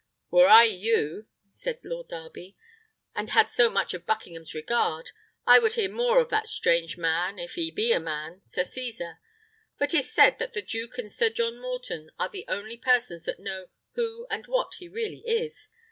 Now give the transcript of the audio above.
"Were I you," said Lord Darby, "and had so much of Buckingham's regard, I would hear more of that strange man, if he be a man, Sir Cesar; for 'tis said that the duke and Sir John Morton are the only persons that know who and what he really is.